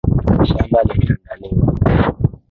Shamba limeandaliwa.